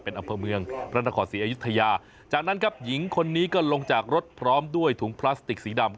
อำเภอเมืองพระนครศรีอยุธยาจากนั้นครับหญิงคนนี้ก็ลงจากรถพร้อมด้วยถุงพลาสติกสีดำ